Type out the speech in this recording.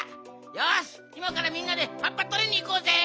よしいまからみんなではっぱとりにいこうぜ！